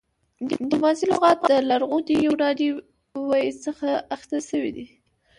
ډيپلوماسۍ لغت د لرغوني يوناني ویي څخه اخيستل شوی دی